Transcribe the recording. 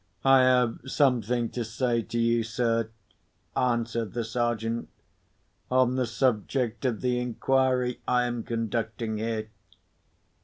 "I have something to say to you, sir," answered the Sergeant, "on the subject of the inquiry I am conducting here.